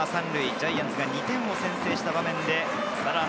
ジャイアンツが２点を先制した場面です。